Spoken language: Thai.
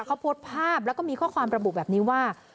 เขาโพสต์ภาพแล้วก็มีข้อความระบุแบบนี้ว่า